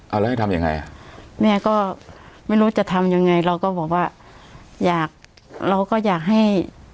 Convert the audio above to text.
เอาแล้วให้ทำยังไงอ่ะแม่ก็ไม่รู้จะทำยังไงเราก็บอกว่าอยากเราก็อยากให้